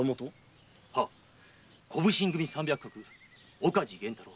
小普請組三百石岡地玄太郎。